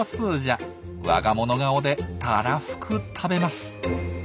我が物顔でたらふく食べます。